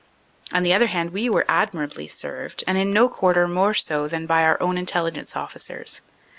On the other hand we were admirably served, and in no quarter more so than by our own Intelligence officers.